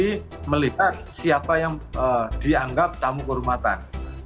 baik jadi pemerintah saudi melihat siapa yang dianggap tamu kehormatan